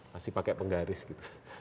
masih pakai penggaris gitu